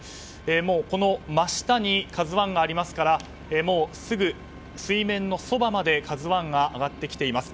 もうこの真下に「ＫＡＺＵ１」がありますからもうすぐ水面のそばまで「ＫＡＺＵ１」が上がってきています。